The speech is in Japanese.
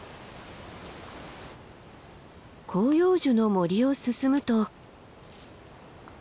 広葉樹の森を進むと。